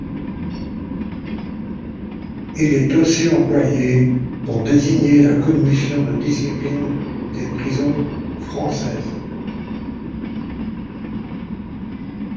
Il est aussi employé pour désigner la commission de discipline des prisons françaises.